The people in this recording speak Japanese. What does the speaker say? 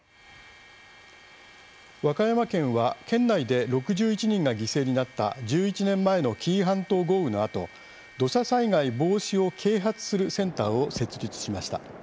和歌山県は県内で６１人が犠牲になった１１年前の紀伊半島豪雨のあと土砂災害防止を啓発するセンターを設立しました。